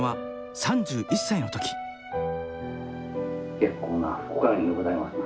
「結構なお加減でございますな」。